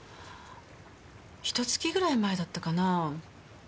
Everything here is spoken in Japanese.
ひと月ぐらい前だったかなぁ？